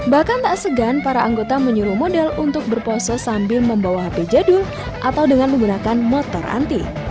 bahkan tak segan para anggota menyuruh model untuk berpose sambil membawa hp jadul atau dengan menggunakan motor anti